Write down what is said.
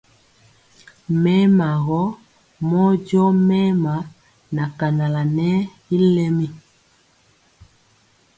Mɛɛma gɔ mɛ jɔ mɛɛma na kanala nɛɛ y lɛmi.